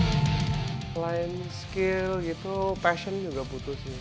selain skill gitu passion juga butuh sih